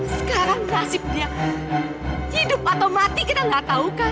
sekarang nasibnya hidup atau mati kita nggak tahu kah